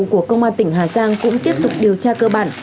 của công an tỉnh hà giang cũng tiếp tục điều tra cơ bản